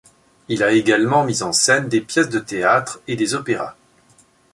Il a également mis en scène des pièces de théâtre et des opéras.